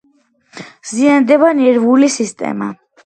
ზიანდება ნერვული სისტემა.